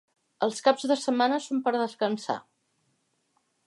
Els caps de setmana són per descansar.